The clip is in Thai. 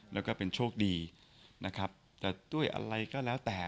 แล้วก็เป็นโชคดีนะครับแต่ด้วยอะไรก็แล้วแต่